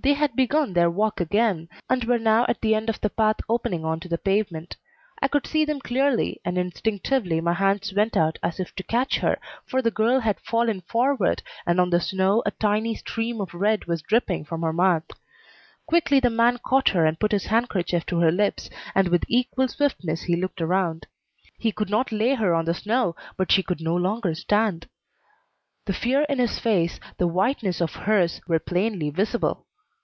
They had begun their walk again, and were now at the end of the path opening on to the pavement. I could see them clearly, and instinctively my hands went out as if to catch her, for the girl had fallen forward, and on the snow a tiny stream of red was dripping from her mouth. Quickly the man caught her and put his handkerchief to her lips, and with equal swiftness he looked around. He could not lay her on the snow, but she could no longer stand. The fear in his face, the whiteness of hers, were plainly visible.